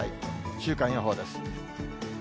週間予報です。